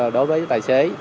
đối với tài xế